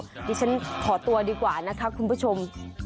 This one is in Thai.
ดิฉันขอตัวดีกว่านะคะคุณผู้ชม